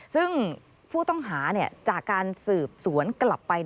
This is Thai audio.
ซึ่งผู้ต้องหาจากการสืบสวนกลับไป